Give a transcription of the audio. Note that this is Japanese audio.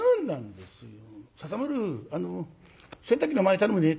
「笹丸洗濯機の前頼むね」